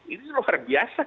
ini luar biasa